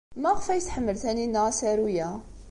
Maɣef ay tḥemmel Taninna asaru-a?